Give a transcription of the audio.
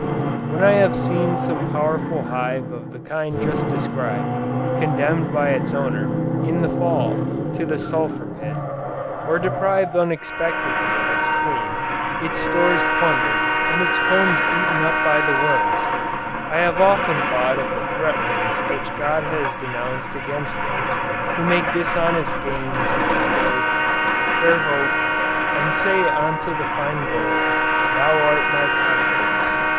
When I have seen some powerful hive of the kind just described, condemned by its owner, in the Fall, to the sulphur pit, or deprived unexpectedly of its queen, its stores plundered, and its combs eaten up by the worms, I have often thought of the threatenings which God has denounced against those who make dishonest gains "their hope, and say unto the fine gold, Thou art my confidence."